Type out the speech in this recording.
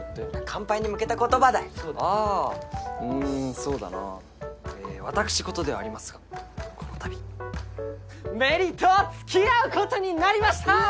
乾杯に向けた言葉だよああーうーんそうだな私事ではありますがこのたび芽李とつきあうことになりましたー！